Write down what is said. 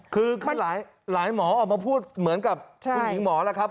คือหลายหมอออกมาพูดเหมือนกับคุณหญิงหมอแล้วครับ